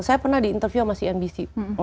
saya pernah di interview sama cnbc